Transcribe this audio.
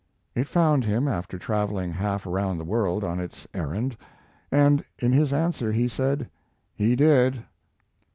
It found him after traveling half around the world on its errand, and in his answer he said, "He did."